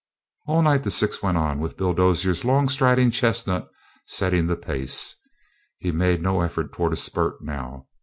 All night the six went on, with Bill Dozier's long striding chestnut setting the pace. He made no effort toward a spurt now.